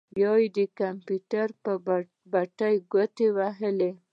بيا يې د کمپيوټر پر بټنو ګوتې ووهلې.